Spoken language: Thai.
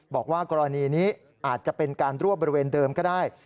บอกว่ากรณีนี้อาจจะเป็นการรั่วบริเวณเดิมก็ได้